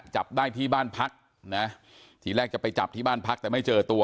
จับได้ที่บ้านพักนะทีแรกจะไปจับที่บ้านพักแต่ไม่เจอตัว